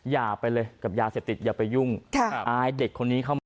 อย่าไปเลยกับยาเสพติดอย่าไปยุ่งอายเด็กคนนี้เข้ามา